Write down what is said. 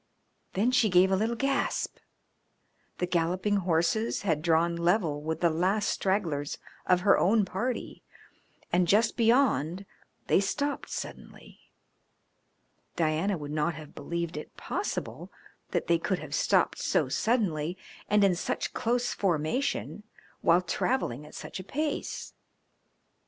Then she gave a little gasp. The galloping horses had drawn level with the last stragglers of her own party, and just beyond they stopped suddenly. Diana would not have believed it possible that they could have stopped so suddenly and in such close formation while travelling at such a pace.